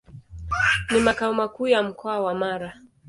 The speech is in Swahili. Ni makao makuu ya Mkoa wa Mara.